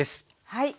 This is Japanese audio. はい。